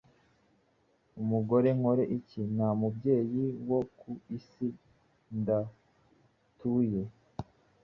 Mugore, nkore iki? Nta babyeyi bo ku isi ndatuye: